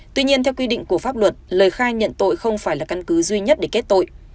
tuy nhiên theo quy định của pháp luật lời khai nhận tội không phải là căn cứ duy nhất để kết tội